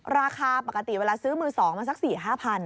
ราคาปกติเวลาซื้อมือสองมันสัก๔๕พัน